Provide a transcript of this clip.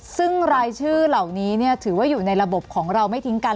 ซึ่งรายชื่อเหล่านี้ถือว่าอยู่ในระบบของเราไม่ทิ้งกัน